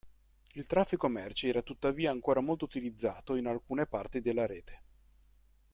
Il traffico merci era tuttavia ancora molto utilizzato in alcune parti della rete.